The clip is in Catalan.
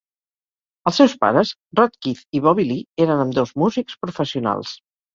Els seus pares, Rodd Keith i Bobbie Lee, eren ambdós músics professionals.